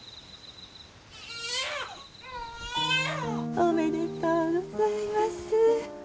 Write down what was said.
おめでとうございます。